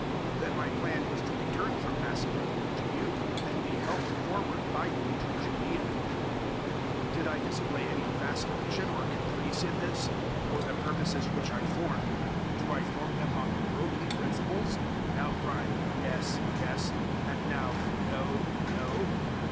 Then my plan was to return from Macedonia to you, and be helped forward by you to Judaea. 001:017 Did I display any vacillation or caprice in this? Or the purposes which I form do I form them on worldly principles, now crying "Yes, yes," and now "No, no"?